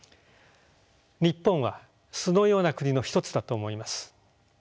日本はそのような国の一つだと思います。